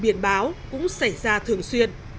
biển báo cũng xảy ra thường xuyên